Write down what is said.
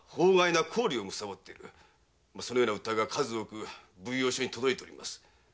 そのような訴えが数多く奉行所に届いておるのです。